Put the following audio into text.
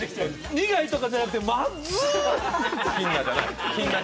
苦いとかじゃなくて、まっず！